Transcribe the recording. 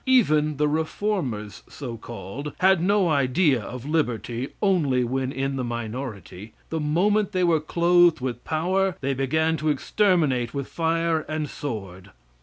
Even the Reformers, so called, had no idea of liberty only when in the minority; the moment they were clothed with power, they began to exterminate with fire and sword.